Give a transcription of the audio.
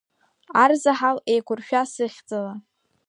Арзаҳал еиқәыршәа сыхьӡала.